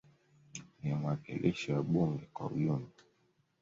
Ndiye mwakilishi wa bunge kwa ujumla.